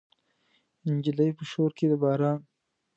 نجلۍ په شور کې د باران